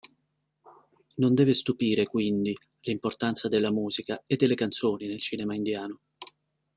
Non deve stupire, quindi, l'importanza della musica e delle canzoni nel cinema indiano.